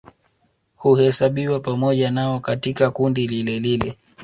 Huhesabiwa pamoja nao katika kundi lilelile